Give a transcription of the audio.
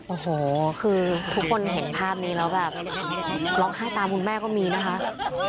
โอ้โหคือทุกคนเห็นภาพนี้แล้วแบบร้องไห้ตามคุณแม่ก็มีนะคะ